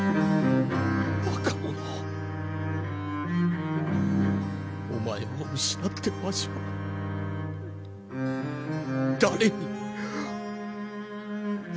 バカ者お前を失ってわしは誰に。